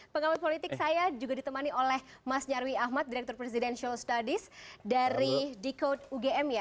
pengawas politik saya juga ditemani oleh mas nyarwi ahmad direktur presidential studies dari dekode ugm ya